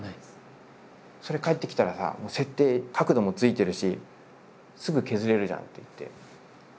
「それ帰ってきたらさもう設定角度もついてるしすぐ削れるじゃん」って言って。